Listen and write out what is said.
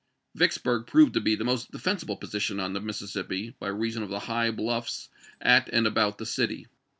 Vicksburg proved to be the most defensible position on the Mississippi, by reason of the high bluffs at and about the city.